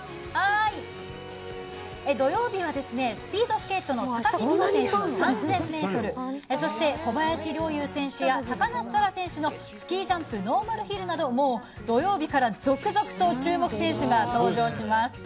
土曜日は、スピードスケートの高木美帆選手の３０００ｍそして、小林陵侑選手や高梨沙羅選手のスキージャンプノーマルヒルなど土曜日から続々と注目選手が登場します。